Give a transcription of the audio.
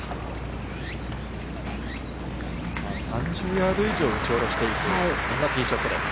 ３０ヤード以上を打ち下ろしていく、そんなティーショットです。